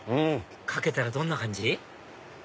かけたらどんな感じ？